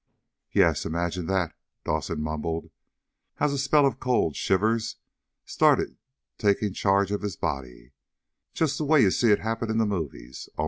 "Yeah, imagine that!" Dawson mumbled, as a spell of cold shivers started taking charge of his body. "Just the way you see it happen in the movies.